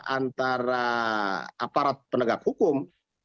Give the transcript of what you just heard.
antara aparat penegak hukum